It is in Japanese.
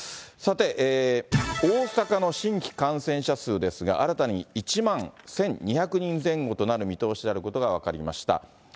さて、大阪の新規感染者数ですが、新たに１万１２００人前後となる見通しであることが分かりました。